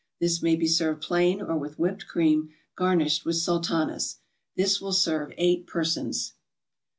This may be served plain or with whipped cream garnished with Sultanas. This will serve eight persons.